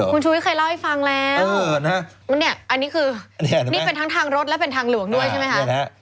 คุณชูวิทยเคยเล่าให้ฟังแล้วเนี่ยอันนี้คือนี่เป็นทั้งทางรถและเป็นทางหลวงด้วยใช่ไหมคะ